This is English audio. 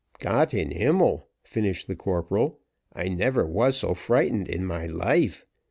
"Gott in Himmel," finished the corporal, "I never was so frightened in my life.